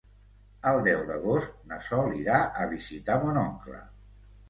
El deu d'agost na Sol irà a visitar mon oncle.